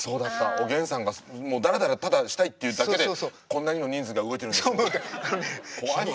おげんさんがダラダラただしたいっていうだけでこんなにも人数が動いてるの怖いわ。